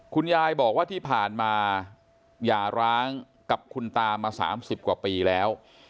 คุณยายบอกว่าที่ผ่านมาอย่าร้างกับคุณตามา๓๐กว่าปีแล้ว